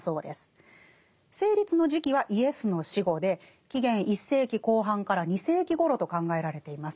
成立の時期はイエスの死後で紀元１世紀後半から２世紀ごろと考えられています。